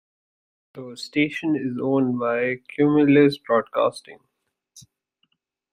The station is owned by Cumulus Broadcasting.